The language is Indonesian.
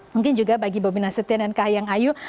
mungkin juga bagi bobi nasetian dan kak hayang ayu